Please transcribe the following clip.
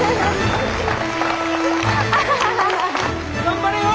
頑張れよ！